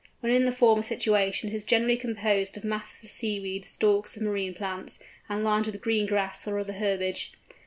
When in the former situation it is generally composed of masses of seaweed, stalks of marine plants, and lined with green grass or other herbage.